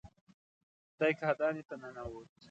دی کاهدانې ته ننوت.